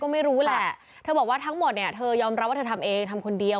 ไม่รู้แหละเธอบอกว่าทั้งหมดเนี่ยเธอยอมรับว่าเธอทำเองทำคนเดียว